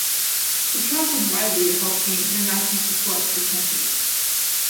He traveled widely to help gain international support for the country.